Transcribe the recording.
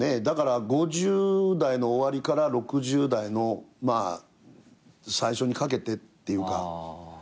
だから５０代の終わりから６０代の最初にかけてっていうか。